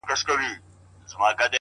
ځي له وطنه خو په هر قدم و شاته ګوري،